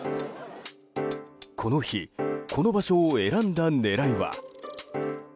この日、この場所を選んだ狙いは？